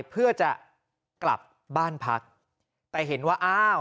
เพื่อจะกลับบ้านพักแต่เห็นว่าอ้าว